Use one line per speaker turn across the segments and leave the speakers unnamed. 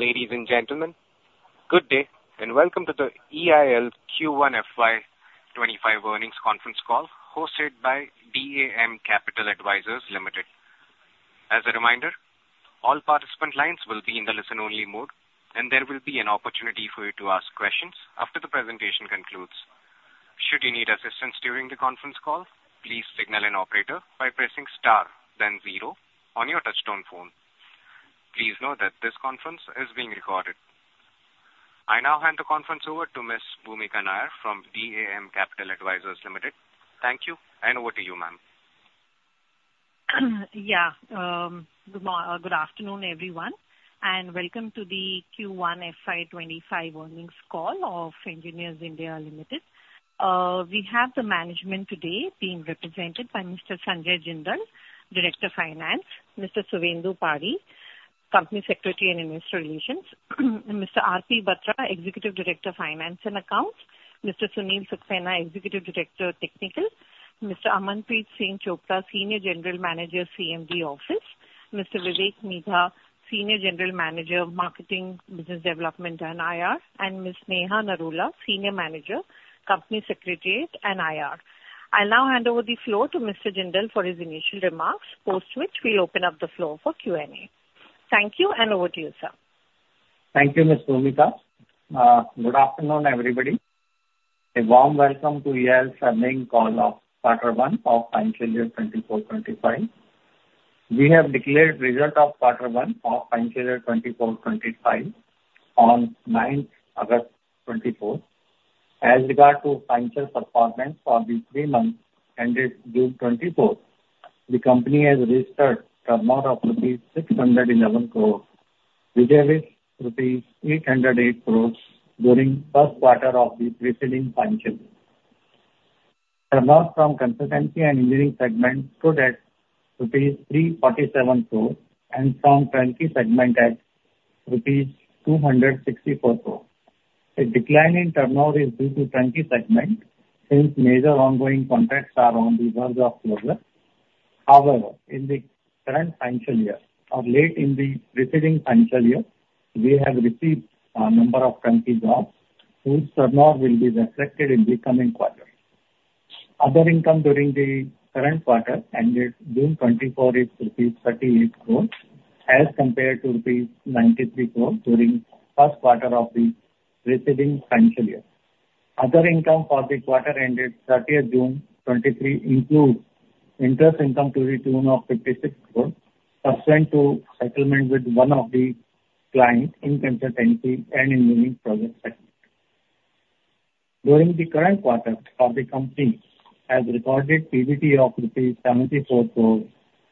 Ladies and gentlemen, good day, and welcome to the EIL Q1 FY 2025 earnings conference call, hosted by DAM Capital Advisors Limited. As a reminder, all participant lines will be in the listen-only mode, and there will be an opportunity for you to ask questions after the presentation concludes. Should you need assistance during the conference call, please signal an operator by pressing star, then zero on your touchtone phone. Please note that this conference is being recorded. I now hand the conference over to Ms. Bhoomika Nair from DAM Capital Advisors Limited. Thank you, and over to you, ma'am.
Yeah. Good afternoon, everyone, and welcome to the Q1 FY 2025 earnings call of Engineers India Limited. We have the management today being represented by Mr. Sanjay Jindal, Director of Finance, Mr. Suvendu Padhi, Company Secretary and Investor Relations, Mr. R. P. Batra, Executive Director of Finance and Accounts, Mr. Sunil Saxena, Executive Director, Technical, Mr. Amanpreet Singh Chopra, Senior General Manager, CMD Office, Mr. Vivek Midha, Senior General Manager of Marketing, Business Development and IR, and Ms. Neha Narula, Senior Manager, Company Secretariat and IR. I'll now hand over the floor to Mr. Jindal for his initial remarks, post which we'll open up the floor for Q&A. Thank you, and over to you, sir.
Thank you, Ms. Bhoomika. Good afternoon, everybody. A warm welcome to EIL's earnings call of quarter 1 of financial year 2024-25. We have declared results of quarter 1 of financial year 2024-25 on 9th August 2024. As regards to financial performance for the three months ended June 2024, the company has registered turnover of rupees 611 crore, which is rupees 808 crore during first quarter of the preceding financial. Turnover from consultancy and engineering segment stood at rupees 347 crore, and from turnkey segment at rupees 264 crore. A decline in turnover is due to turnkey segment, since major ongoing contracts are on the verge of closure. However, in the current financial year or late in the preceding financial year, we have received a number of turnkey jobs, whose turnover will be reflected in the coming quarters. Other income during the current quarter ended June 2024 is rupees 38 crore as compared to rupees 93 crore during first quarter of the preceding financial year. Other income for the quarter ended thirtieth June 2023 includes interest income to the tune of 56 crore, pursuant to settlement with one of the clients in consultancy and engineering project segment. During the current quarter of the company has recorded PBT of rupees 74 crore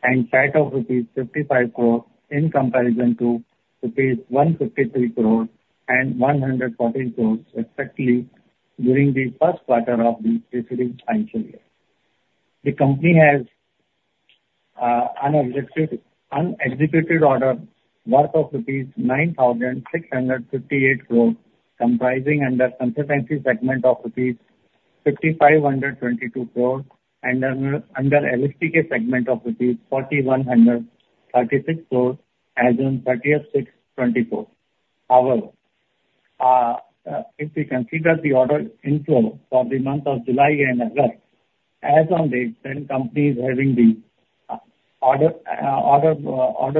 and PAT of rupees 55 crore in comparison to rupees 153 crore and 114 crore, respectively, during the first quarter of the preceding financial year. The company has unexecuted order worth of rupees 9,658 crore, comprising under consultancy segment of rupees 5,522 crore and under LSTK segment of rupees 4,136 crore as on thirtieth June 2024. However, if we consider the order inflow for the month of July and August, as on date, current company is having the order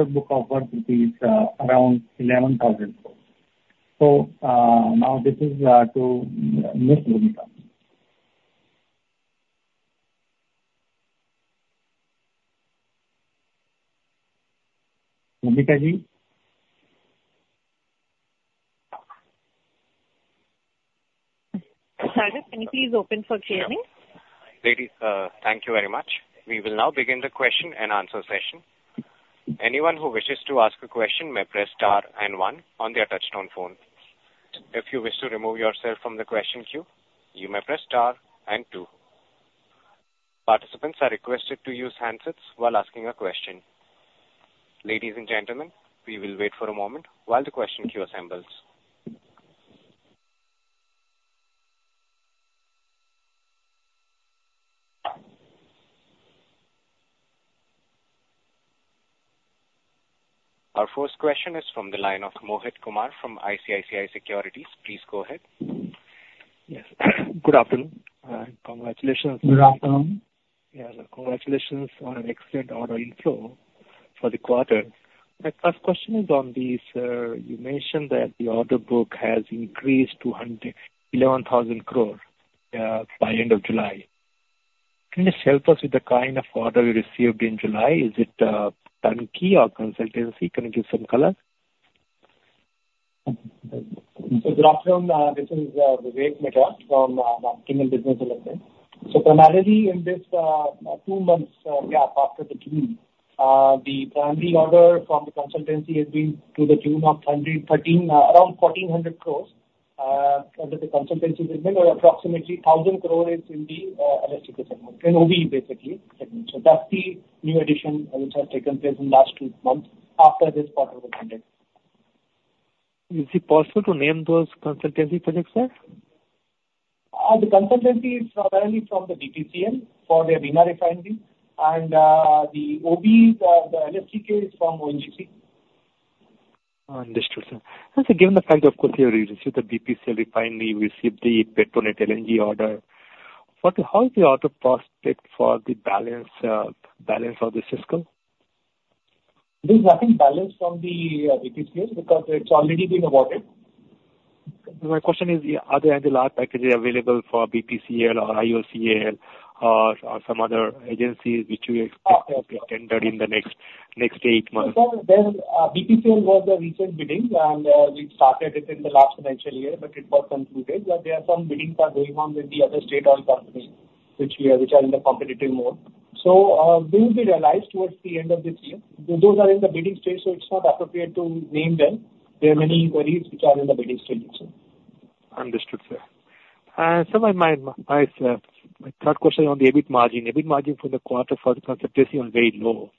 book of about 11,000 crore. So, now this is to Ms. Bhoomika, Bhoomika Nair?
Sanjay, can you please open for Q&A?
Ladies, thank you very much. We will now begin the question and answer session. Anyone who wishes to ask a question may press star and one on their touch-tone phone. If you wish to remove yourself from the question queue, you may press star and two. Participants are requested to use handsets while asking a question. Ladies and gentlemen, we will wait for a moment while the question queue assembles. Our first question is from the line of Mohit Kumar from ICICI Securities. Please go ahead.
Yes. Good afternoon, and congratulations.
Good afternoon.
Yeah, congratulations on an excellent order inflow for the quarter. My first question is on the you mentioned that the order book has increased to 111,000 crore by end of July. Can you just help us with the kind of order you received in July? Is it turnkey or consultancy? Can you give some color?
So good afternoon, this is Vivek Midha from Marketing and Business Development. Primarily in this two months gap after the June, the primary order from the consultancy has been to the tune of 113, around 1,400 crores under the consultancy segment, and approximately 1,000 crores is in the LSTK segment, and O&M, basically. That's the new addition which has taken place in last two months after this quarter was ended.
Is it possible to name those consultancy projects, sir?...
the consultancy is apparently from the BPCL for their Bina Refinery, and the OB, the LSTK is from ONGC.
Understood, sir. And so, given the fact, of course, you received the BPCL refinery, you received the Petronet LNG order, how is the order prospect for the balance of this fiscal?
There's nothing balanced from the BPCL because it's already been awarded.
My question is, are there any large packages available for BPCL or IOCL or some other agencies which you expect to be tendered in the next eight months?
Well, then, BPCL was a recent bidding, and, we started it in the last financial year, but it got concluded. But there are some biddings are going on with the other state-owned companies, which, which are in the competitive mode. So, those will be realized towards the end of this year. Those are in the bidding stage, so it's not appropriate to name them. There are many queries which are in the bidding stage.
Understood, sir. So my third question on the EBIT margin. EBIT margin for the quarter for the consultancy was very low.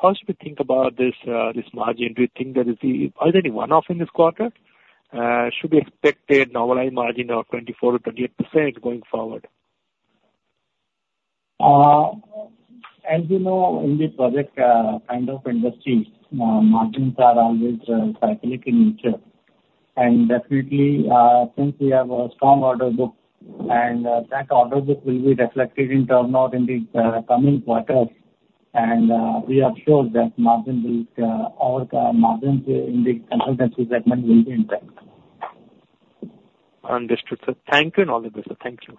How should we think about this, this margin? Do you think that is, are there any one-off in this quarter? Should we expect a normalized margin of 24%-28% going forward?
As you know, in this kind of industries, margins are always cyclical in nature. And definitely, since we have a strong order book, and that order book will be reflected in turnover in the coming quarters. And we are sure that margin will our margins in the consultancy segment will be impact.
Understood, sir. Thank you in all of this. Thank you.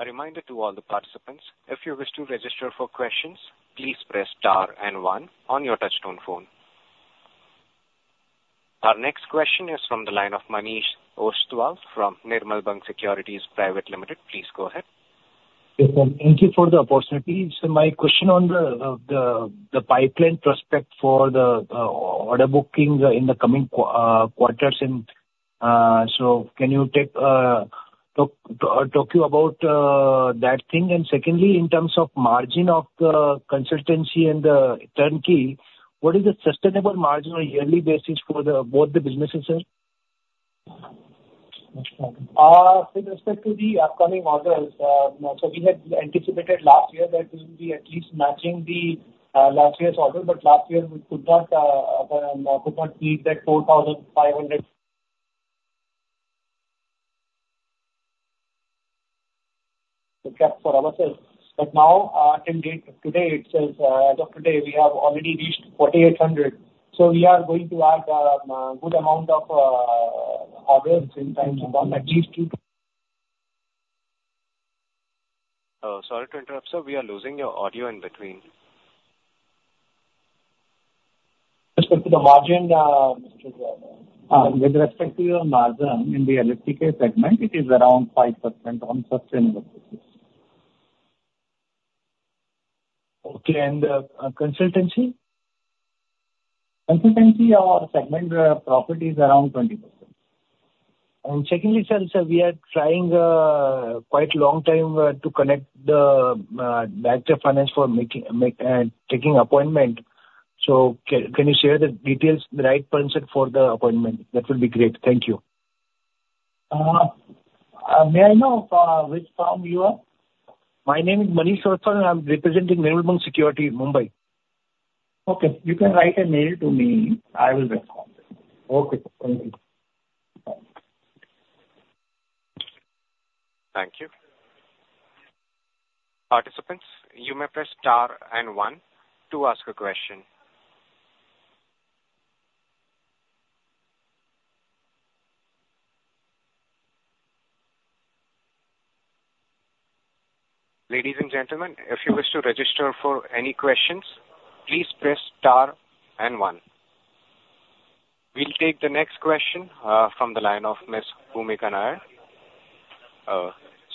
A reminder to all the participants, if you wish to register for questions, please press star and one on your touchtone phone. Our next question is from the line of Manish Ostwal from Nirmal Bang Securities Private Limited. Please go ahead.
Yes, sir. Thank you for the opportunity. So my question on the pipeline prospect for the order booking in the coming quarters. And so can you talk about that thing? And secondly, in terms of margin of the consultancy and the turnkey, what is the sustainable margin on a yearly basis for both the businesses, sir?
With respect to the upcoming orders, so we had anticipated last year that we will be at least matching the last year's order, but last year we could not meet that 4,500 we kept for ourselves. But now, till date, today, it says, as of today, we have already reached 4,800. So we are going to add a good amount of orders in time to come, at least two.
Sorry to interrupt, sir. We are losing your audio in between.
With respect to the margin,
With respect to your margin in the LSTK segment, it is around 5% on sustainable basis.
Okay, and consultancy?
Consultancy, our segment, profit is around 20%.
And secondly, sir, sir, we are trying quite a long time to connect the Director of Finance for making taking appointment. So can you share the details, the right person for the appointment? That will be great. Thank you.
May I know which firm you are?
My name is Manish Ostwal, and I'm representing Nirmal Bang Securities, Mumbai.
Okay. You can write an email to me. I will get back.
Okay. Thank you.
Thank you. Participants, you may press star and one to ask a question. Ladies and gentlemen, if you wish to register for any questions, please press star and one. We'll take the next question from the line of Ms. Bhoomika Nair.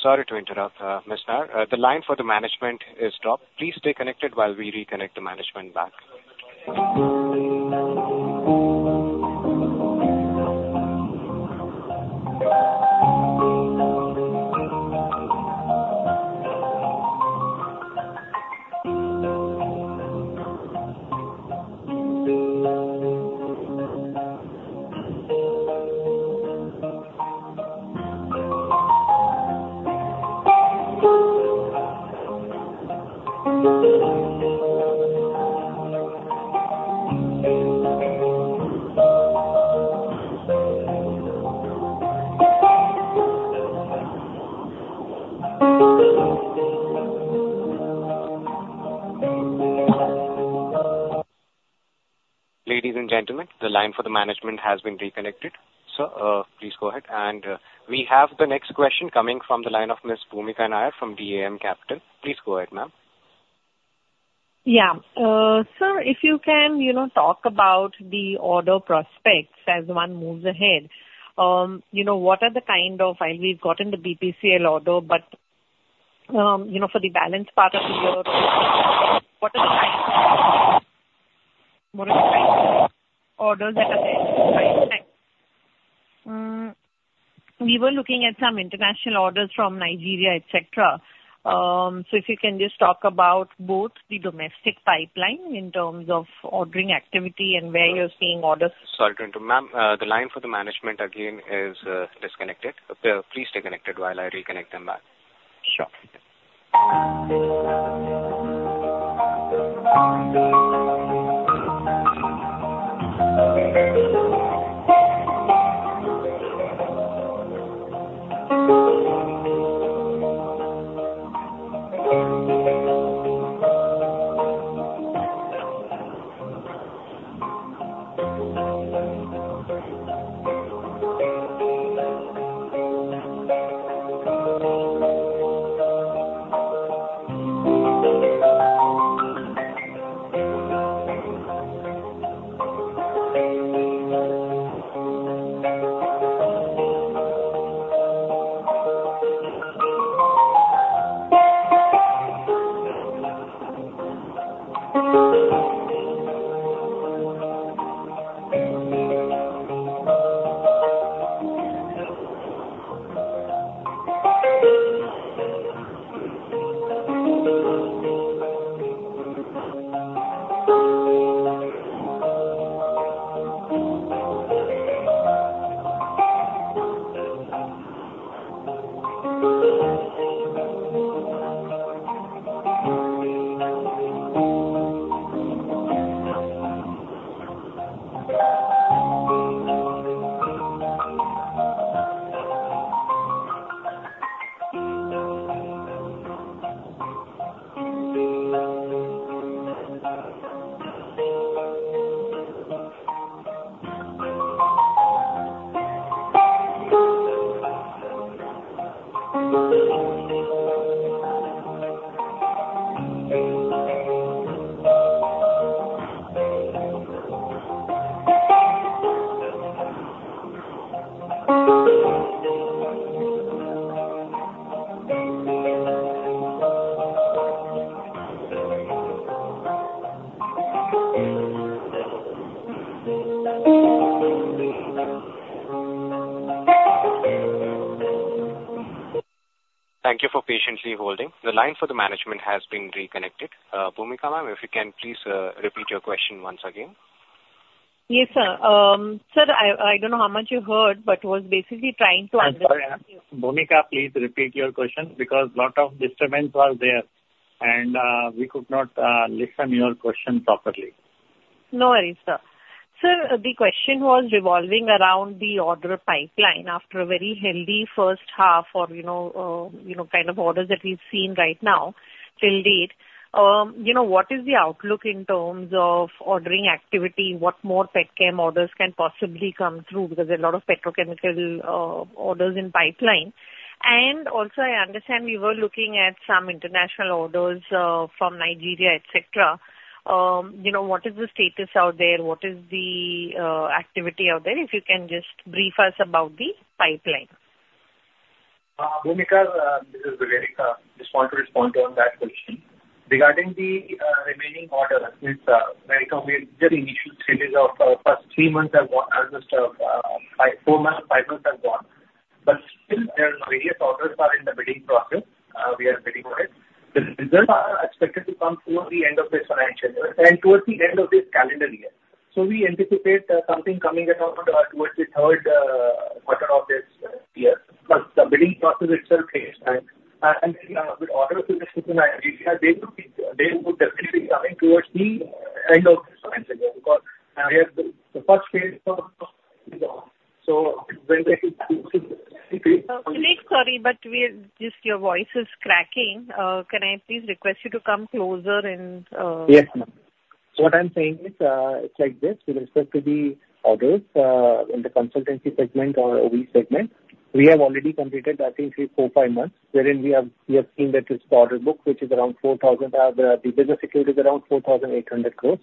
Sorry to interrupt, Ms. Nair. The line for the management is dropped. Please stay connected while we reconnect the management back. Ladies and gentlemen, the line for the management has been reconnected. Sir, please go ahead. We have the next question coming from the line of Ms. Bhoomika Nair from DAM Capital. Please go ahead, ma'am.
Yeah. Sir, if you can, you know, talk about the order prospects as one moves ahead. You know, what are the kind of... And we've gotten the BPCL order, but, you know, for the balance part of the year, what are the kind, what are the kind of orders that are there? Thanks. We were looking at some international orders from Nigeria, et cetera. So if you can just talk about both the domestic pipeline in terms of ordering activity and where you're seeing orders.
Sorry to interrupt. Ma'am, the line for the management again is disconnected. Please stay connected while I reconnect them back. Sure. Thank you for patiently holding. The line for the management has been reconnected. Bhoomika, ma'am, if you can please repeat your question once again.
Yes, sir. Sir, I don't know how much you heard, but was basically trying to understand-
I'm sorry. Bhoomika, please repeat your question because lot of disturbance was there, and we could not listen your question properly.
No worries, sir. Sir, the question was revolving around the order pipeline after a very healthy first half or, you know, you know, kind of orders that we've seen right now till date. You know, what is the outlook in terms of ordering activity? What more petchem orders can possibly come through? Because there are a lot of petrochemical orders in pipeline. And also, I understand you were looking at some international orders from Nigeria, et cetera. You know, what is the status out there? What is the activity out there? If you can just brief us about the pipeline.
Bhoomika, this is Vivek. Just want to respond on that question. Regarding the remaining order, since very complete, the initial series of first three months have gone, as just four or five months have gone, but still there are various orders in the bidding process. We are bidding on it. The results are expected to come towards the end of this financial year and towards the end of this calendar year. So we anticipate something coming in around towards the third quarter of this year. But the bidding process itself takes time. And with orders in Nigeria, they would definitely be coming towards the end of this financial year, because we have the first phase of
Sorry, but we're... Just your voice is cracking. Can I please request you to come closer and...
Yes, ma'am. So what I'm saying is, it's like this: with respect to the orders, in the consultancy segment or OE segment, we have already completed, I think, 3, 4, 5 months, wherein we have seen that this order book, which is around 4,000 crore, the business security is around 4,800 crore.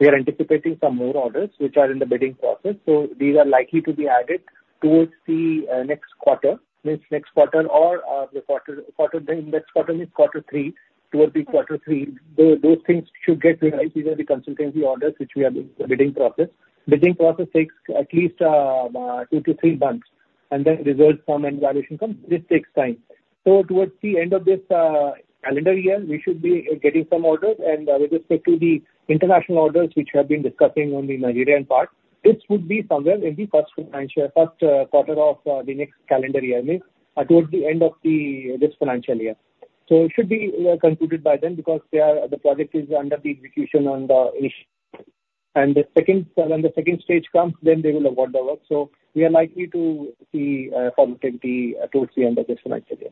We are anticipating some more orders, which are in the bidding process. So these are likely to be added towards the next quarter, means next quarter or the quarter, the next quarter means quarter three. Towards quarter three, those things should get revised. These are the consultancy orders, which we are in the bidding process. Bidding process takes at least 2-3 months, and then results come and evaluation comes. This takes time. So towards the end of this calendar year, we should be getting some orders. And with respect to the international orders, which we have been discussing on the Nigerian part, this would be somewhere in the first financial, first, quarter of the next calendar year, means towards the end of this financial year. So it should be concluded by then, because they are, the project is under the execution on the issue. And the second, when the second stage comes, then they will award the work. So we are likely to see consultancy towards the end of this financial year.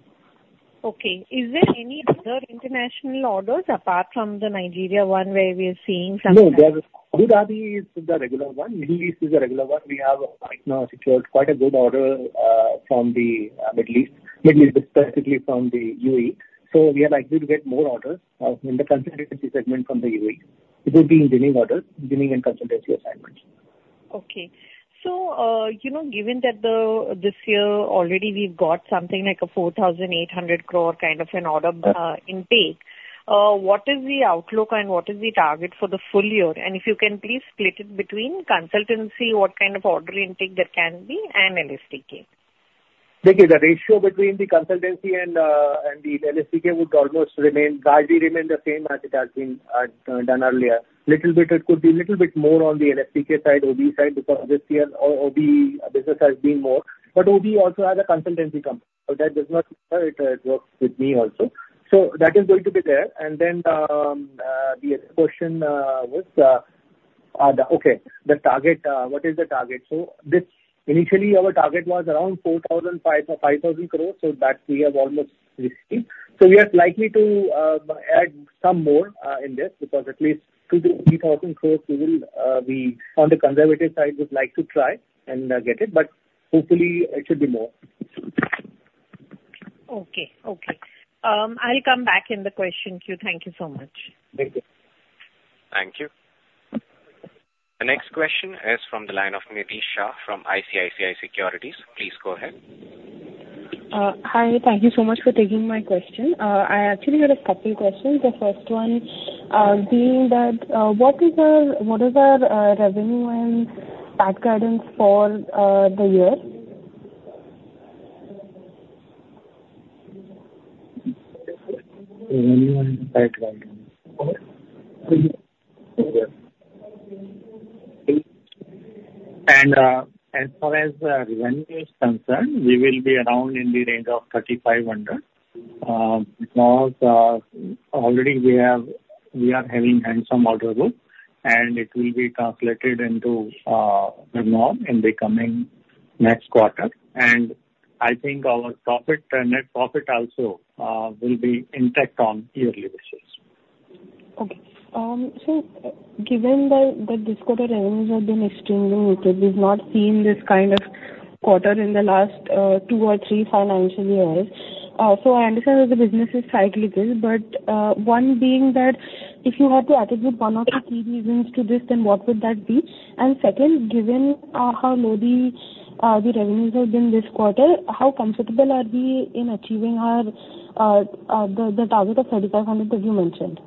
Okay. Is there any other international orders apart from the Nigeria one, where we are seeing something?
No, Dubai is the regular one. Middle East is the regular one. We have right now secured quite a good order from the Middle East. Middle East, specifically from the UAE. So we are likely to get more orders in the consultancy segment from the UAE. It would be engineering orders, engineering and consultancy assignments.
Okay. So, you know, given that this year already we've got something like 4,800 crore kind of an order intake-... what is the outlook and what is the target for the full year? And if you can please split it between consultancy, what kind of order intake there can be, and LSTK?
The ratio between the consultancy and the LSTK would almost remain, largely remain the same as it has been done earlier. Little bit, it could be little bit more on the LSTK side, OB side, because this year OB business has been more. But OB also has a consultancy company, so that does not it, it works with me also. So that is going to be there. And then the other question was the... Okay, the target, what is the target? So initially our target was around 4,000-5,000 crores, so that we have almost received. So we are likely to add some more in this, because at least 2,000-3,000 crore we will, on the conservative side, would like to try and get it, but hopefully it should be more.
Okay. Okay. I'll come back in the question queue. Thank you so much.
Thank you.
Thank you. The next question is from the line of Nidhi Shah from ICICI Securities. Please go ahead.
Hi, thank you so much for taking my question. I actually had a couple questions. The first one, being that, what is our, what is our, revenue and PAT guidance for, the year?
Revenue and PAT guidance. As far as the revenue is concerned, we will be around in the range of 3,500 crore, because already we have, we are having handsome order book, and it will be translated into turnover in the coming next quarter. And I think our profit and net profit also will be intact on yearly basis.
Okay. So given that this quarter's revenues have been extremely muted, we've not seen this kind of quarter in the last two or three financial years. So I understand that the business is cyclical, but one being that if you had to attribute one or two key reasons to this, then what would that be? And second, given how low the revenues have been this quarter, how comfortable are we in achieving our target of 3,500 that you mentioned?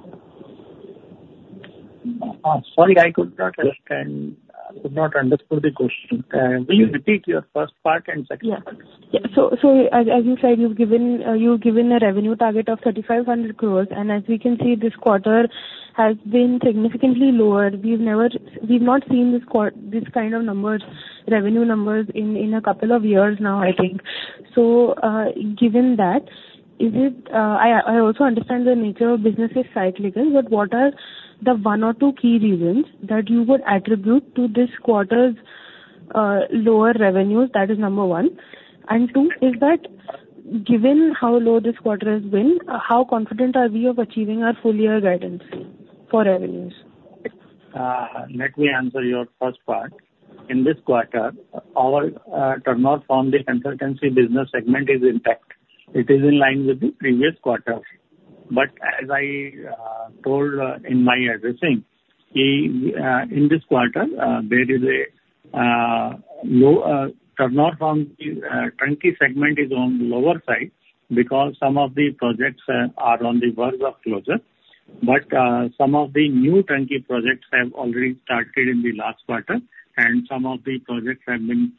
Sorry, I could not understand, could not understand the question. Will you repeat your first part and second part?
Yeah. Yeah. So as you said, you've given a revenue target of 3,500 crore, and as we can see, this quarter has been significantly lower. We've never, we've not seen this kind of numbers, revenue numbers in a couple of years now, I think. So given that, is it? I also understand the nature of business is cyclical, but what are the one or two key reasons that you would attribute to this quarter's lower revenues? That is number one. And two, is that given how low this quarter has been, how confident are we of achieving our full year guidance for revenues?
Let me answer your first part. In this quarter, our turnover from the consultancy business segment is intact. It is in line with the previous quarter. But as I told in my addressing, in this quarter, there is a low turnover from the turnkey segment is on the lower side, because some of the projects are on the verge of closure. But some of the new turnkey projects have already started in the last quarter, and some of the projects have been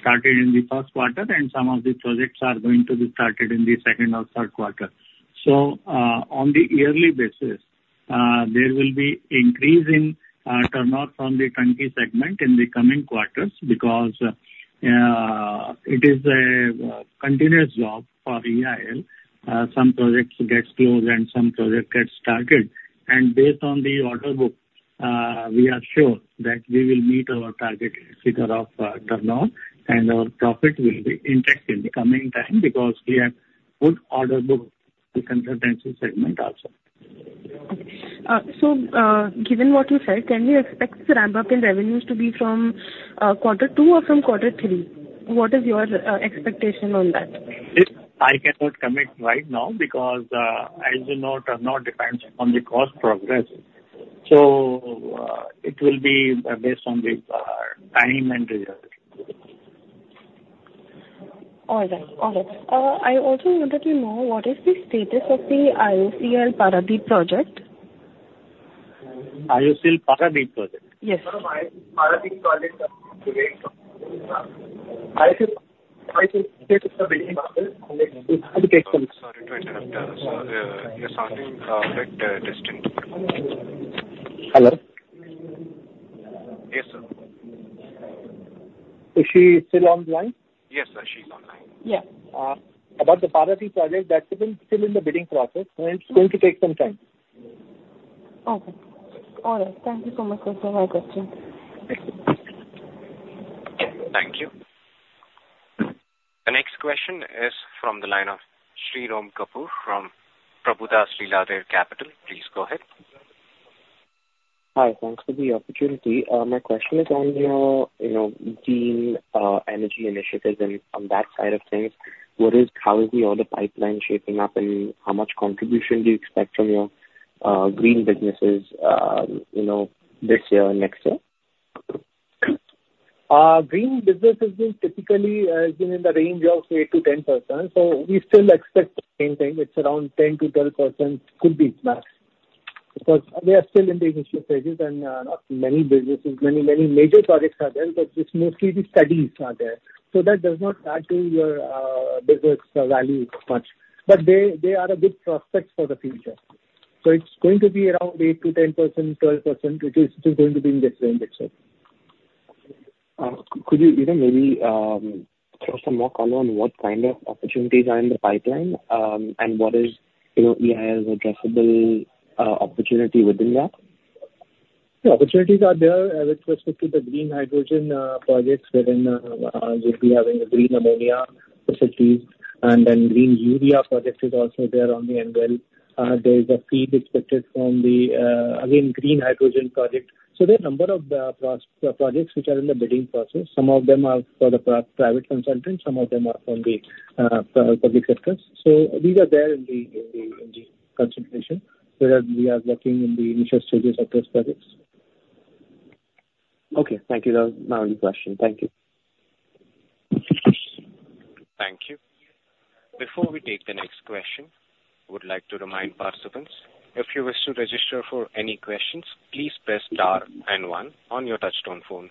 started in the first quarter, and some of the projects are going to be started in the second or third quarter. So on the yearly basis, there will be increase in turnover from the turnkey segment in the coming quarters, because it is a continuous job for EIL. Some projects gets closed and some projects gets started. Based on the Order Book, we are sure that we will meet our target figure of turnover, and our profit will be intact in the coming time because we have good Order Book in Consultancy segment also.
Okay. So, given what you said, can we expect the ramp-up in revenues to be from quarter two or from quarter three? What is your expectation on that?
This I cannot commit right now because, as you know, turnover depends on the cost progress. So, it will be based on the time and result.
All right. All right. I also wanted to know, what is the status of the IOCL Paradip project?
IOCL Paradip project?
Yes.
Paradip project,
Sorry to interrupt, sir. You're sounding a bit distant.
Hello?
Yes, sir.
Is she still online?
Yes, sir, she's online.
Yeah.
About the Paradip project, that's still in the bidding process, and it's going to take some time.
Okay. All right. Thank you so much for taking my question.
Thank you. The next question is from the line of Shirom Kapur from Prabhudas Lilladher Capital. Please go ahead.
Hi. Thanks for the opportunity. My question is on your, you know, green energy initiatives and on that side of things, how is the order pipeline shaping up, and how much contribution do you expect from your green businesses, you know, this year and next year?...
Green business has been typically been in the range of 8%-10%, so we still expect the same thing. It's around 10%-12% could be flat. Because we are still in the initial stages, and not many businesses, many, many major projects are there, but it's mostly the studies are there. So that does not add to your business value much. But they, they are a good prospect for the future. So it's going to be around 8%-10%, 12%. It is, it is going to be in this range itself.
Could you, you know, maybe, throw some more color on what kind of opportunities are in the pipeline, and what is, you know, EIL's addressable opportunity within that?
The opportunities are there, with respect to the green hydrogen projects within, we'll be having the green ammonia facilities, and then green urea project is also there on the envelope. There is a feed expected from the, again, green hydrogen project. So there are a number of projects which are in the bidding process. Some of them are for the private consultants, some of them are from the public sectors. So these are there in the consultation, where we are working in the initial stages of those projects.
Okay. Thank you. That was my only question. Thank you.
Thank you. Before we take the next question, I would like to remind participants, if you wish to register for any questions, please press star and one on your touchtone phone.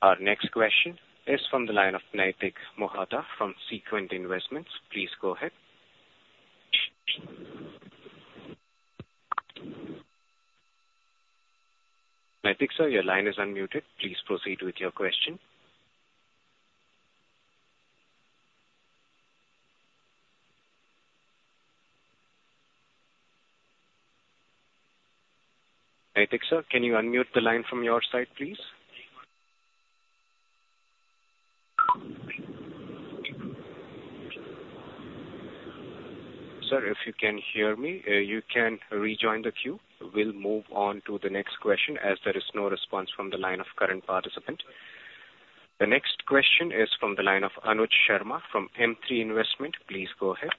Our next question is from the line of Nitik Mohata from Sequent Investments. Please go ahead. Nitik, sir, your line is unmuted. Please proceed with your question. Nitik, sir, can you unmute the line from your side, please? Sir, if you can hear me, you can rejoin the queue. We'll move on to the next question, as there is no response from the line of current participant. The next question is from the line of Anuj Sharma from M3 Investment. Please go ahead.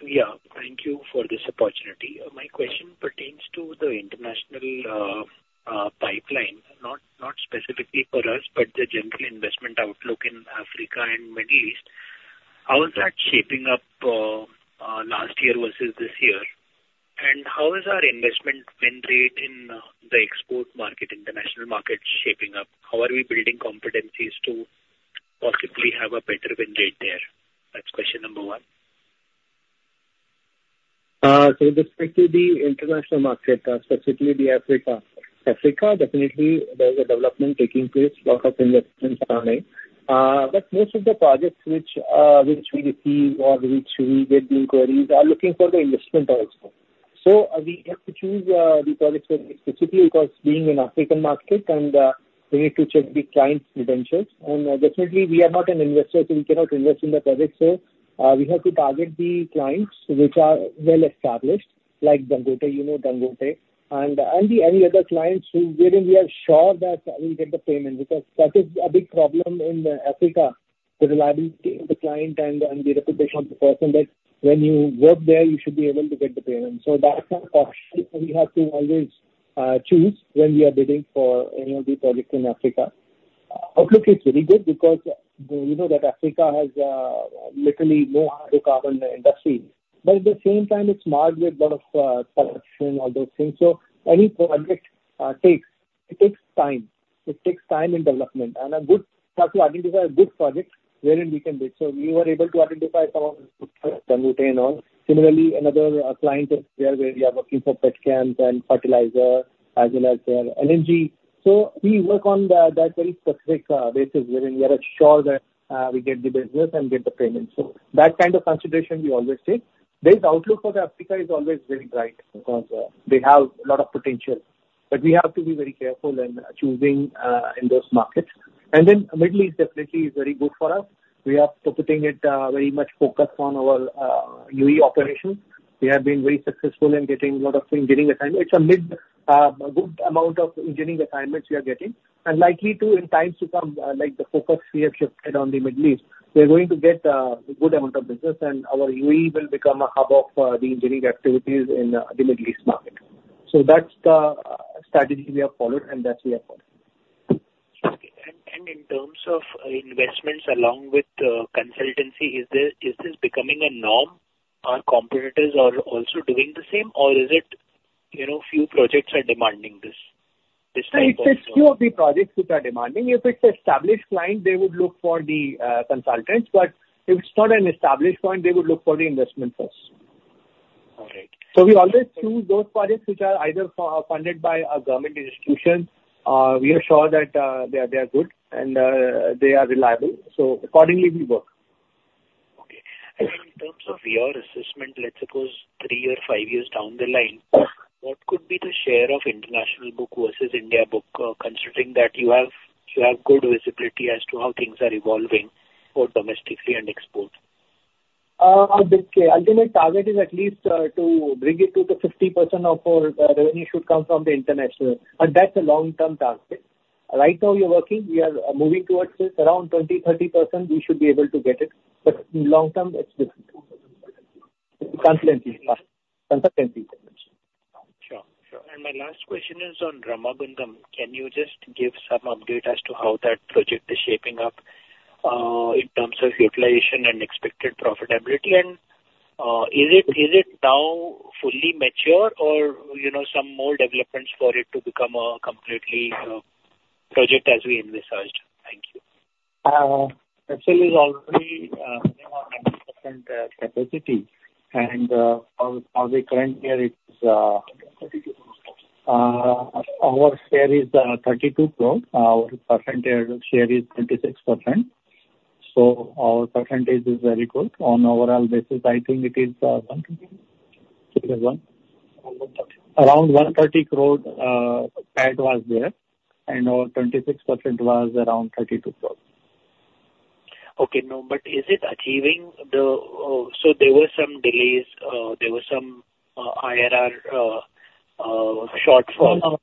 Yeah, thank you for this opportunity. My question pertains to the international pipeline, not specifically for us, but the general investment outlook in Africa and Middle East. How is that shaping up last year versus this year? And how is our investment win rate in the export market, international market, shaping up? How are we building competencies to possibly have a better win rate there? That's question number one.
So with respect to the international market, specifically Africa. Africa, definitely there is a development taking place, lot of investments are coming. But most of the projects which we receive or which we get the inquiries, are looking for the investment also. So we have to choose the projects very specifically, because being an African market and, we need to check the client's credentials. And, definitely we are not an investor, so we cannot invest in the project. So, we have to target the clients which are well-established, like Dangote. You know Dangote. And any other clients who, wherein we are sure that we will get the payment, because that is a big problem in Africa, the reliability of the client and the reputation of the person, that when you work there, you should be able to get the payment. So that's a caution we have to always choose when we are bidding for any of the projects in Africa. Outlook is very good because you know that Africa has literally no hydrocarbon industry, but at the same time, it's marred with lot of corruption, all those things. So any project takes, it takes time. It takes time and development and a good... We have to identify a good project wherein we can bid. So we were able to identify some of the good projects, Dangote and all. Similarly, another client is there, where we are working for pet chems and fertilizer as well as their energy. So we work on the, that very specific, basis, wherein we are sure that, we get the business and get the payment. So that kind of consideration we always take. This outlook for the Africa is always very bright, because, they have a lot of potential. But we have to be very careful in choosing, in those markets. And then Middle East definitely is very good for us. We are putting it, very much focused on our, UAE operations. We have been very successful in getting a lot of engineering assignments. It's a mid, a good amount of engineering assignments we are getting, and likely to in times to come, like the focus we have shifted on the Middle East. We're going to get, a good amount of business, and our UAE will become a hub of, the engineering activities in, the Middle East market. So that's the strategy we have followed and that we are following.
Okay. In terms of investments along with consultancy, is this becoming a norm? Our competitors are also doing the same, or is it, you know, few projects are demanding this?
It's a few of the projects which are demanding. If it's an established client, they would look for the consultants, but if it's not an established client, they would look for the investment first.
All right.
So we always choose those projects which are either funded by a government institution. We are sure that they are good and they are reliable, so accordingly we work.
Okay. In terms of your assessment, let's suppose three or five years down the line, what could be the share of international book versus India book, considering that you have, you have good visibility as to how things are evolving, both domestically and export?
The ultimate target is at least to bring it to the 50% of our revenue should come from the international, and that's a long-term target. Right now we are working, we are moving towards it. Around 20%-30%, we should be able to get it, but in long term, it's different. Consistently, consistently.
Sure. Sure. And my last question is on Ramagundam. Can you just give some update as to how that project is shaping up, in terms of utilization and expected profitability? And, is it, is it now fully mature or, you know, some more developments for it to become a completely, project as we envisaged? Thank you.
Actually it's already running on 90% capacity. And our current year, it's our share is 32 crore. Our percentage share is 26%, so our percentage is very good. On overall basis, I think it is around 130 crore, PAT was there, and our 26% was around 32 crore.
Okay. No, but is it achieving the... So there were some delays, there were some IRR shortfall.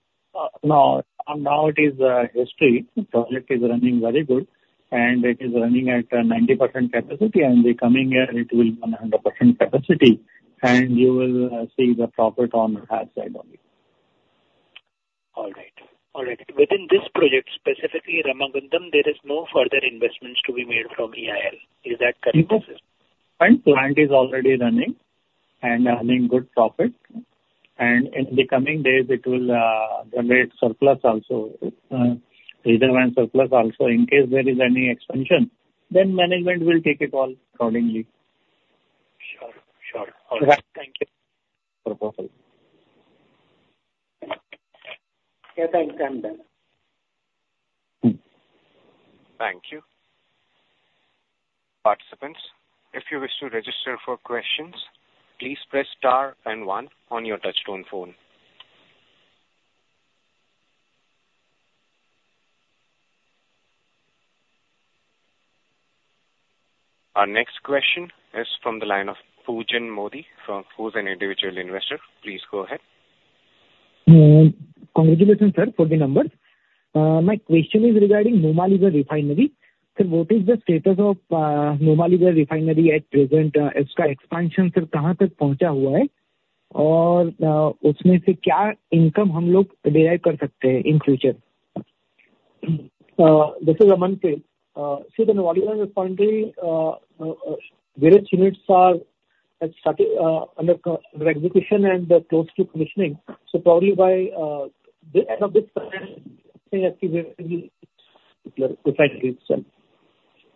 No, now it is history. The project is running very good, and it is running at 90% capacity, and the coming year it will be 100% capacity, and you will see the profit on that side only.
All right. All right. Within this project, specifically Ramagundam, there is no further investments to be made from EIL. Is that correct?
Plant is already running and earning good profit. In the coming days, it will generate surplus also, reserve and surplus also. In case there is any expansion, then management will take it all accordingly.
Sure. Sure. All right.
Yeah.
Thank you.
No problem.
Yeah, thanks. I'm done.
Thank you. Participants, if you wish to register for questions, please press star and one on your touchtone phone. Our next question is from the line of Poojan Modi, from, who's an individual investor. Please go ahead.
Congratulations, sir, for the numbers. My question is regarding Numaligarh Refinery. Sir, what is the status of Numaligarh Refinery at present? Its expansion, sir, in future?
This is Amanpreet. So the Numaligarh Refinery, various units are at start, under execution and close to commissioning. So probably by the end of this current year, refinery itself.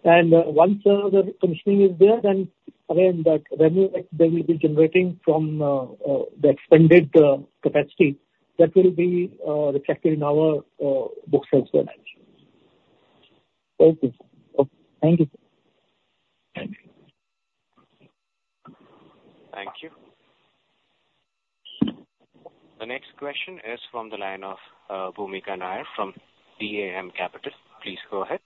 And once the commissioning is there, then again, that revenue that they will be generating from the expanded capacity, that will be reflected in our books as well.
Okay. Thank you, sir.
Thank you.
Thank you. The next question is from the line of, Bhoomika Nair, from DAM Capital. Please go ahead.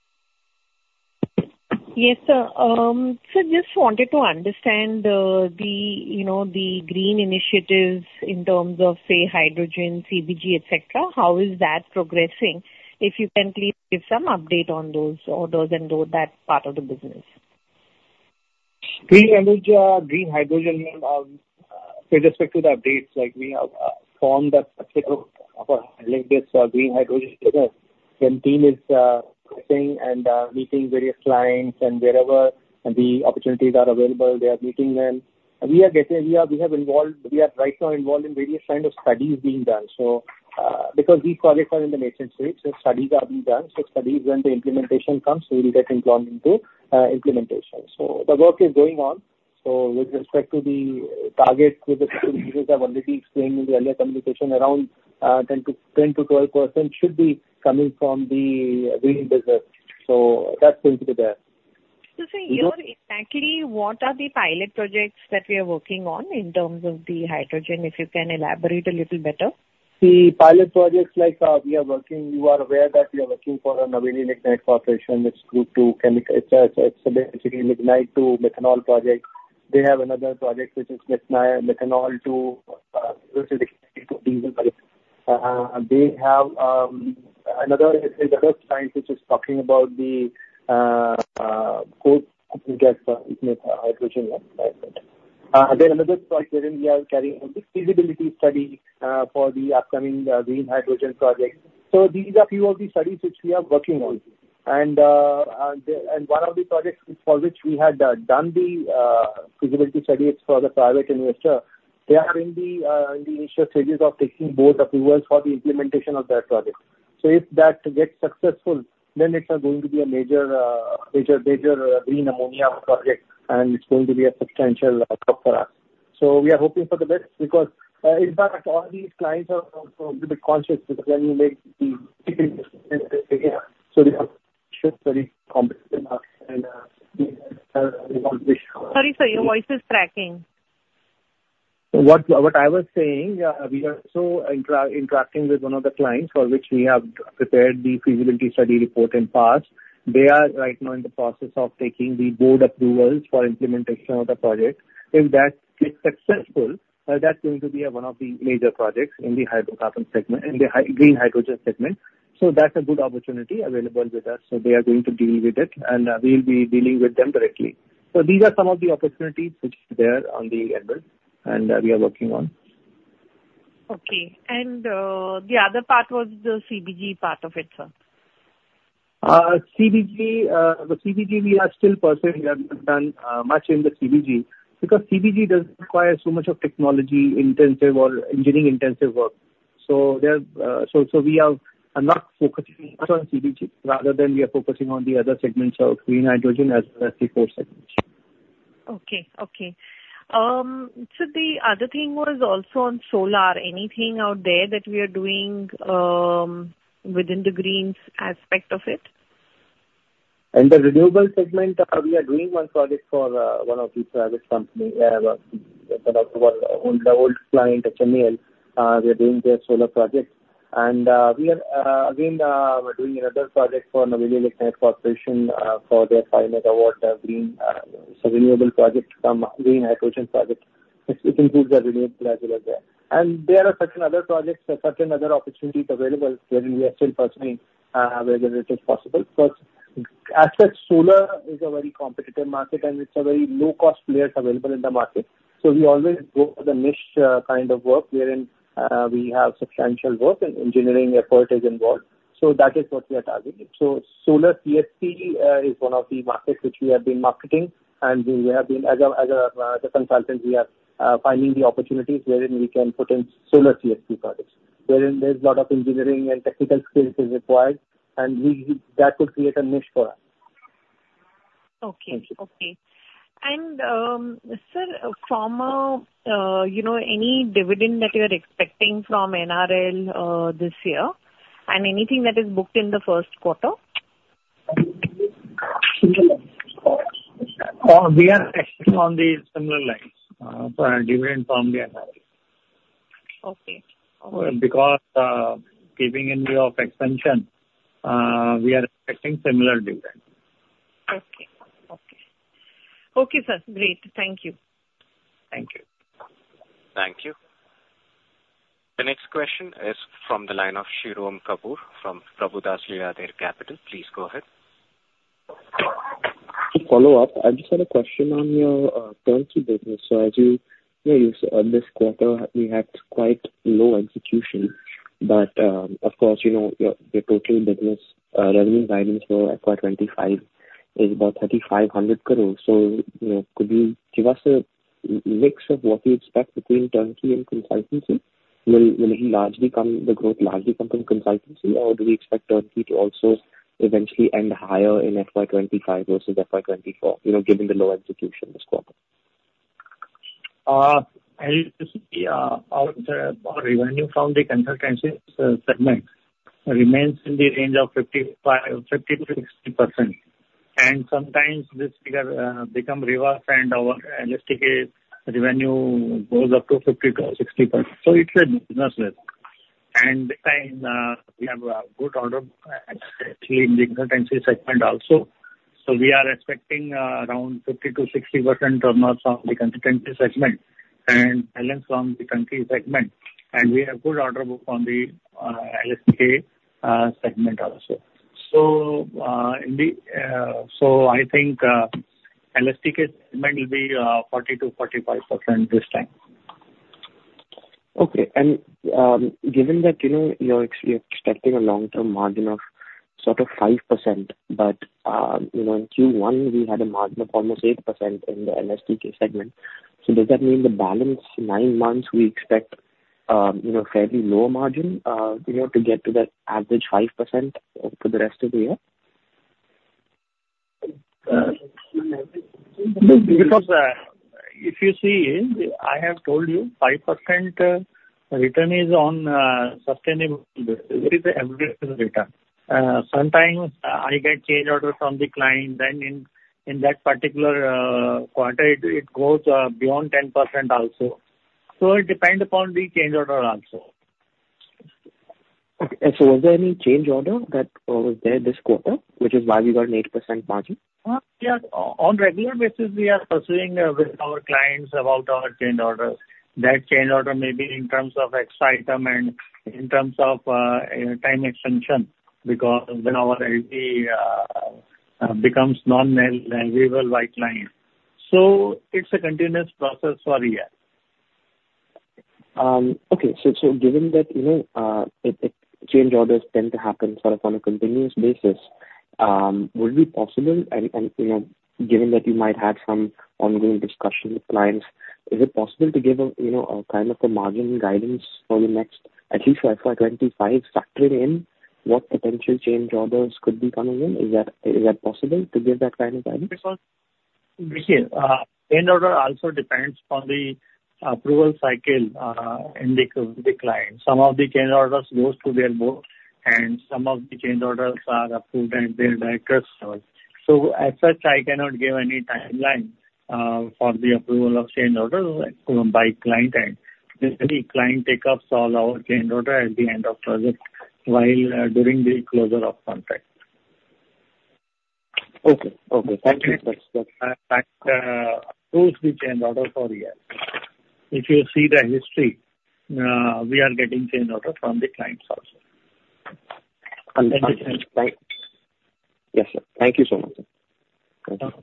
Yes, sir. So just wanted to understand, you know, the green initiatives in terms of, say, hydrogen, CBG, et cetera. How is that progressing? If you can please give some update on those and though that part of the business.
Green energy, green hydrogen, with respect to the updates, like, we have formed a particular of our latest green hydrogen team, and team is testing and meeting various clients, and wherever the opportunities are available, they are meeting them. And we are getting... We are, we have involved- we are right now involved in various kind of studies being done. So, because these projects are in the nascent stage, so studies are being done. So studies, when the implementation comes, we will get involved into implementation. So the work is going on. So with respect to the target, with the leaders have already explained in the earlier communication, around 10%-12% should be coming from the green business. So that's going to be there.
Exactly what are the pilot projects that we are working on in terms of the hydrogen, if you can elaborate a little better?
The pilot projects like, we are working, you are aware that we are working for a Neyveli Lignite Corporation. It's Coal to chemicals. It's basically lignite to methanol project. They have another project which is methanol to diesel. They have another client which is talking about the coal to get hydrogen. Then another project wherein we are carrying out the feasibility study for the upcoming green hydrogen project. So these are few of the studies which we are working on. And one of the projects for which we had done the feasibility studies for the private investor, they are in the initial stages of taking board approvals for the implementation of that project. So if that gets successful, then it's going to be a major, major, major Green Ammonia project, and it's going to be a substantial output for us. So we are hoping for the best, because in fact, all these clients are a bit conscious because when you make the...
Sorry, sir, your voice is cracking.
What I was saying, we are closely interacting with one of the clients for which we have prepared the feasibility study report in the past. They are right now in the process of taking the board approvals for implementation of the project. If that is successful, that's going to be one of the major projects in the hydrocarbon segment—in the green hydrogen segment. So that's a good opportunity available with us, so they are going to deal with it, and we'll be dealing with them directly. So these are some of the opportunities which are there on the horizon, and we are working on.
Okay. The other part was the CBG part of it, sir.
CBG, the CBG we are still pursuing. We have not done much in the CBG, because CBG doesn't require so much of technology intensive or engineering intensive work. So there, so we are not focusing much on CBG, rather than we are focusing on the other segments of green hydrogen as well as the four segments.
Okay. Okay. So the other thing was also on solar. Anything out there that we are doing within the greens aspect of it?
In the renewable segment, we are doing one project for one of the private company, one of our old, old client, HMEL. We are doing their solar project, and we are again, we're doing another project for Neyveli Lignite Corporation, for their 5 megawatt, green, so renewable project, green hydrogen project. It, it includes the renewable as well there. And there are certain other projects and certain other opportunities available, where we are still pursuing whether it is possible. But as such, solar is a very competitive market, and it's a very low-cost players available in the market, so we always go for the niche, kind of work wherein we have substantial work and engineering effort is involved. So that is what we are targeting. So Solar CSP is one of the markets which we have been marketing, and we have been, as a consultant, finding the opportunities wherein we can put in Solar CSP projects, wherein there's a lot of engineering and technical skills is required, and we... That could create a niche for us.
Okay.
Thank you.
Okay. And, sir, from a, you know, any dividend that you are expecting from NRL this year, and anything that is booked in the first quarter?
We are expecting on the similar lines, for our dividend from the NRL.
Okay.
Because, keeping in view of expansion, we are expecting similar dividend.
Okay. Okay. Okay, sir. Great. Thank you.
Thank you.
Thank you. The next question is from the line of Shirom Kapur from Prabhudas Lilladher Capital. Please go ahead.
To follow up, I just had a question on your turnkey business. So as you know, this quarter, we had quite low execution, but of course, you know, your total business revenue guidance for FY 2025 is about 3,500 crore. So, you know, could you give us a mix of what we expect between turnkey and consultancy? Will it largely come, the growth largely come from consultancy, or do we expect turnkey to also eventually end higher in FY 2025 versus FY 2024? You know, given the low execution this quarter.
As you see, our revenue from the consultancy segment remains in the range of 50-60%. And sometimes this figure become reversed, and our LSTK revenue goes up to 50-60%. So it's a business risk. And this time we have a good order actually in the consultancy segment also. So we are expecting around 50-60% onwards from the consultancy segment and balance from the turnkey segment, and we have good order book on the LSTK segment also. So I think LSTK segment will be 40-45% this time.
Okay. Given that, you know, you're actually expecting a long-term margin of sort of 5%, but, you know, in Q1, we had a margin of almost 8% in the LSTK segment. So does that mean the balance 9 months, we expect, you know, fairly lower margin, you know, to get to that average 5% for the rest of the year?
Because, if you see, I have told you, 5% return is on sustainable, with the average return. Sometimes, I get Change Order from the client, then in that particular quarter, it goes beyond 10% also. So it depends upon the Change Order also.
Okay. And so was there any change order that, was there this quarter, which is why we got an 8% margin?
Yeah. On regular basis, we are pursuing with our clients about our change orders. That change order may be in terms of extra item and in terms of time extension, because when our LD becomes non-nil, then we will write line. So it's a continuous process for a year.
Okay. So, given that, you know, change orders tend to happen sort of on a continuous basis, would it be possible and, you know, given that you might have some ongoing discussions with clients, is it possible to give a, you know, a kind of a margin guidance for the next, at least for FY 2025, factoring in what potential change orders could be coming in? Is that possible to give that kind of guidance?
Because, you see, change order also depends on the approval cycle, and the client. Some of the change orders goes to their board, and some of the change orders are approved, and their directors know. So as such, I cannot give any timeline, for the approval of change orders, by client end. Usually, client takes up all our change order at the end of project, while, during the closure of contract.
Okay. Okay. Thank you.
That approves the Change Order for a year. If you see the history, we are getting Change Order from the clients also.
Then the clients- Yes, sir. Thank you so much, sir. Thank you.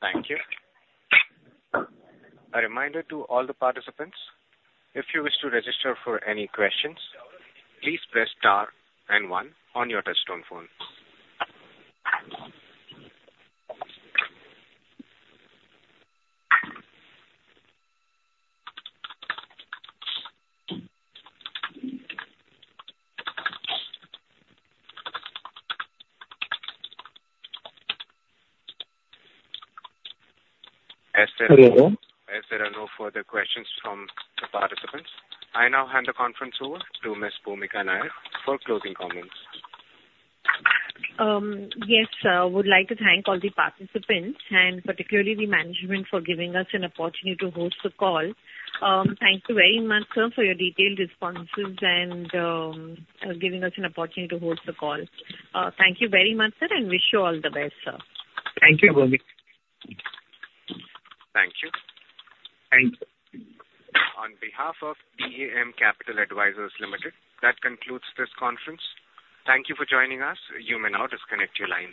Thank you. A reminder to all the participants, if you wish to register for any questions, please press star and one on your touchtone phone. As there are-
Hello, hello?
As there are no further questions from the participants, I now hand the conference over to Ms. Bhoomika Nair for closing comments.
Yes, we would like to thank all the participants, and particularly the management, for giving us an opportunity to host the call. Thank you very much, sir, for your detailed responses and for giving us an opportunity to host the call. Thank you very much, sir, and wish you all the best, sir.
Thank you, Bhoomika.
Thank you.
Thank you.
On behalf of DAM Capital Advisors Limited, that concludes this conference. Thank you for joining us. You may now disconnect your lines.